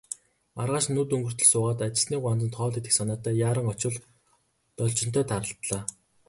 Маргааш нь үд өнгөртөл суугаад, ажилчны гуанзанд хоол идэх санаатай яаран очвол Должинтой тааралдлаа.